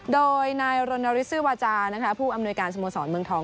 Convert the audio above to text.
โดยนายรณฤทธซื้อวาจาผู้อำนวยการสโมสรเมืองทอง